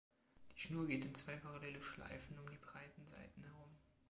Die Schnur geht in zwei parallele Schleifen, um die breiteren Seiten herum.